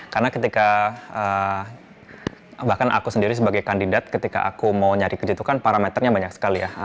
karena ketika bahkan aku sendiri sebagai kandidat ketika aku mau nyari kerja itu kan parameternya banyak sekali ya